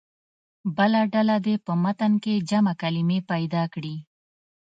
بله ډله دې په متن کې جمع کلمې پیدا کړي.